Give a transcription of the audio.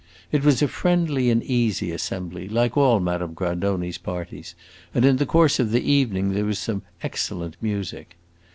It was a friendly and easy assembly, like all Madame Grandoni's parties, and in the course of the evening there was some excellent music.